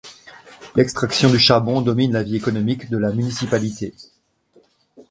L'extraction du charbon domine la vie économique de la municipalité.